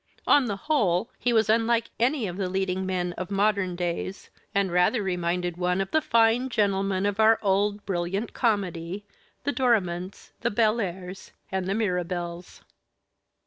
On the whole, he was unlike any of the leading men of modern days, and rather reminded one of the fine gentlemen of our old brilliant comedy the Dorimants, the Bellairs, and the Mirabels.